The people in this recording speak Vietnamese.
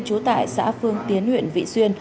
chú tại xã phương tiến huyện vị xuyên